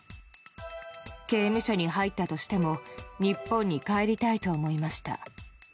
刑務所に入ったとしても、日本に帰りたいと思いました。